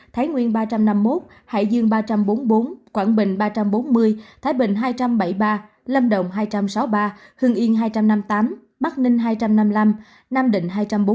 thái nguyên ba trăm năm mươi một hải dương ba trăm bốn mươi bốn quảng bình ba trăm bốn mươi thái bình hai trăm bảy mươi ba lâm đồng hai trăm sáu mươi ba hưng yên hai trăm năm mươi tám bắc ninh hai trăm năm mươi năm nam định hai trăm bốn mươi chín